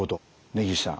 根岸さん